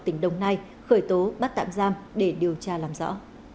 tỉnh đồng nai khởi tố bắt tạm giam để điều tra làm rõ